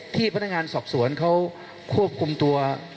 พนักงานสอบสวนเขาควบคุมตัว